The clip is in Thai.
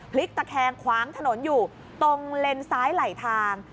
พลิกตะแคงขวางถนนอยู่ตรงเลนซ้ายไหลทาง